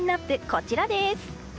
こちらです。